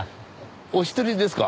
お一人ですか？